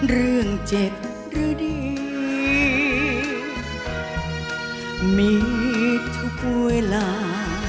เรื่องเจ็บหรือดีมีทุกเวลา